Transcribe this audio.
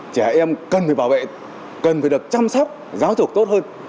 trẻ em cần phải bảo vệ cần phải được chăm sóc giáo dục tốt hơn